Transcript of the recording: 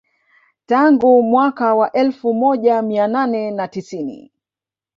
Tangu mwaka wa elfu moja mia nane na tisini